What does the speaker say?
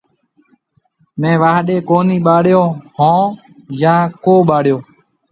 ميه واهڏيَ ڪوني ٻاݪيو هيَ يا ڪو ٻاݪيو۔